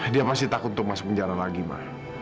dia pasti takut untuk masuk penjara lagi ma